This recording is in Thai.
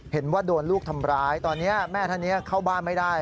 เห็นว่าโดนลูกทำร้ายตอนนี้แม่ท่านนี้เข้าบ้านไม่ได้